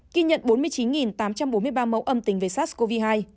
khi nhận bốn mươi chín tám trăm bốn mươi ba mẫu âm tính về sars cov hai